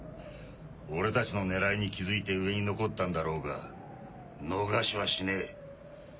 俺たちの狙いに気づいて上に残ったんだろうが逃しはしねえ。